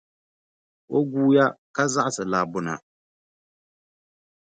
O guuya ka zaɣisi labbu na.